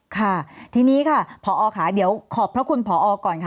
ค่ะทีนี้ค่ะพอค่ะเดี๋ยวขอบพระคุณพอก่อนค่ะ